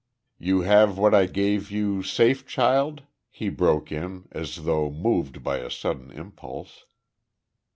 "You have what I gave you safe, child?" he broke in, as though moved by a sudden impulse.